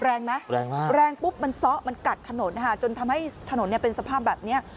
แรงไหมแรงปุ๊บมันซ้อมันกัดถนนจนทำให้ถนนเป็นสภาพแบบนี้